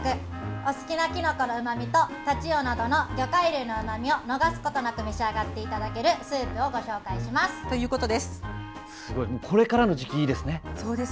お好きなきのこのうまみとタチウオなど魚介類のうまみを逃すことなく召し上がっていただけるスープをご紹介します。ということです。